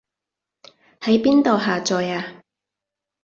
喺邊度下載啊